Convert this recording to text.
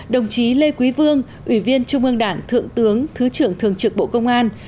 đồng chí lê quý vương ủy viên trung ương đảng thượng tướng thứ trưởng thường trực bộ công an